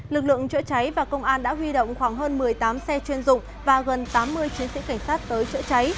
lực lượng chữa cháy và công an đã huy động khoảng hơn một mươi tám xe chuyên dụng và gần tám mươi chiến sĩ cảnh sát tới chữa cháy